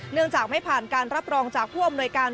เนื่องจากไม่ผ่านการรับรองจากผู้อำนวยการ